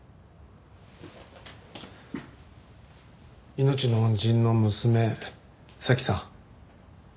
命の恩人の娘早紀さん。